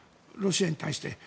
ロシアに対して。